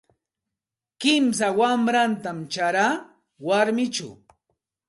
Kimsa wanratam charaa warmichaw.